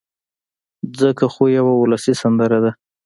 ځکه خو يوه اولسي سندره ده